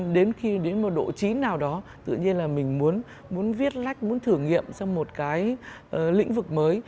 đến khi đến một độ chí nào đó tự nhiên là mình muốn viết lách muốn thử nghiệm sang một cái lĩnh vực mới